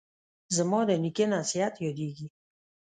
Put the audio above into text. زما د نیکه نصیحت یادیږي